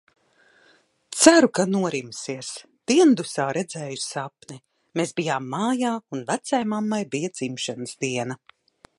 Ceru, ka norimsies. Diendusā redzēju sapni. Mēs bijām mājā un vecaimammai bija dzimšanas diena.